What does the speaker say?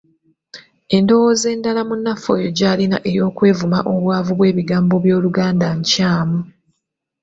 Endowooza endala munnaffe oyo gy'alina ey’okwevuma obuwanvu bw’ebigambo by’Oluganda nkyamu.